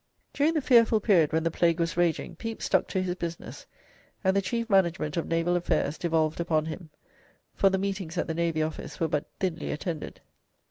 During the fearful period when the Plague was raging, Pepys stuck to his business, and the chief management of naval affairs devolved upon him, for the meetings at the Navy Office were but thinly attended.